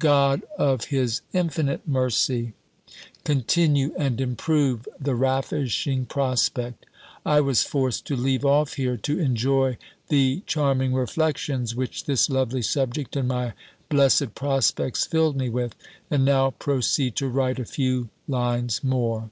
God of his infinite mercy, continue and improve the ravishing prospect! I was forced to leave off here, to enjoy the charming reflections, which this lovely subject, and my blessed prospects, filled me with; and now proceed to write a few lines more.